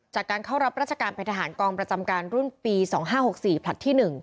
จากการเข้ารับราชการเป็นทหารกองประจำการรุ่นปี๒๕๖๔ผลัดที่๑